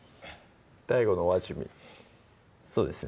ＤＡＩＧＯのお味見そうですね